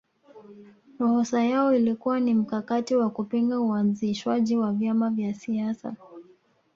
Ruhusa iyo ilikuwa ni mkakati wa kupinga uanzishwaji wa vyama vya siasa